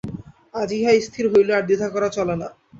আজ ইহাই স্থির হইল, আর দ্বিধা করা চলে না।